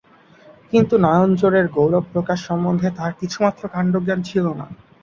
কিন্তু নয়নজোড়ের গৌরব প্রকাশসম্বন্ধে তাঁহার কিছুমাত্র কাণ্ডজ্ঞান ছিল না।